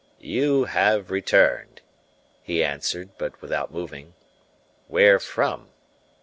"You have returned," he answered, but without moving. "Where from?"